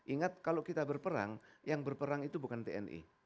ingat kalau kita berperang yang berperang itu bukan tni